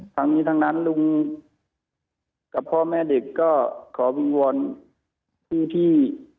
ทั้งนี้ทั้งนั้นลุงกับพ่อแม่เด็กก็ขอวิงวอนที่ที่